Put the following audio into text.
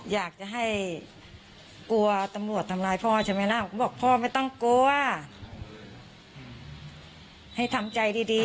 อย่าต้องฝันแกกลัวแกต้องกินยา